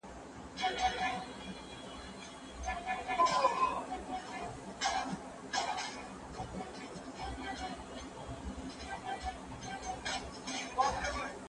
دا یو ستر فرهنګي خدمت دی